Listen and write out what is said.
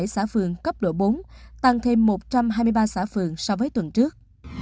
ba trăm sáu mươi bảy xã phường cấp độ bốn tăng thêm một trăm hai mươi ba xã phường so với tuần trước